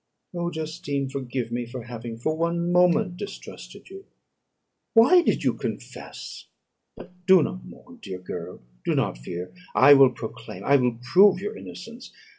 "Oh, Justine! forgive me for having for one moment distrusted you. Why did you confess? But do not mourn, dear girl. Do not fear. I will proclaim, I will prove your innocence.